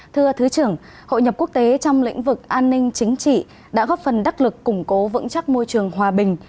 thưa thứ trưởng hội nhập quốc tế trong lĩnh vực an ninh chính trị đã góp phần đắc lực củng cố vững chắc môi trường hòa bình